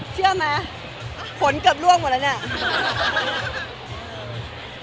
เชื่อไหมผลเกือบล่วงหมดแล้วเนี่ย